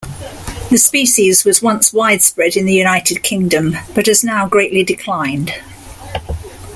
The species was once widespread in the United Kingdom but has now greatly declined.